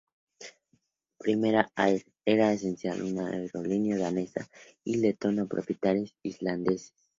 Primera Air era esencialmente una aerolínea danesa y letona con propietarios islandeses.